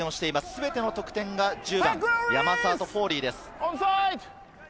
全ての得点が１０番、山沢とフォーリーです。